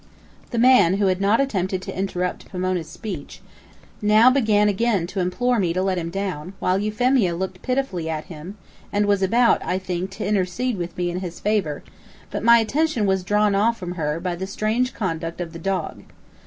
The man, who had not attempted to interrupt Pomona's speech, now began again to implore me to let him down, while Euphemia looked pitifully at him, and was about, I think, to intercede with me in his favor, but my attention was drawn off from her, by the strange conduct of the dog.